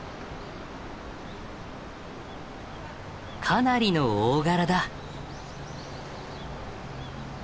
かなりの大柄だ。